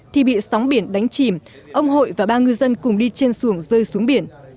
thì bị sóng biển đánh chìm ông hội và ba ngư dân cùng đi trên xuồng rơi xuống biển